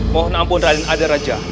mohon ampun raden adaraja